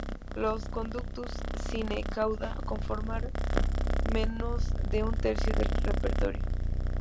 Los "Conductus sine cauda" conforman menos de un tercio del repertorio.